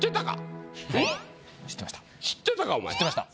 知ってました。